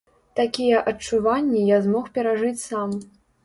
Такія адчуванні я змог перажыць сам.